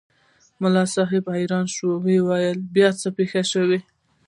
ملا صاحب حیران شو وویل بیا څه پېښ شول؟